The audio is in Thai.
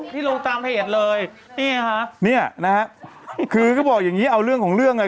ที่ลูกตามเพจเลยนี่ไงคะนี่นะครับคือก็บอกอย่างนี้เอาเรื่องของเรื่องไง